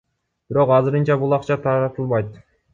Бирок азырынча бул акча таратылбайт.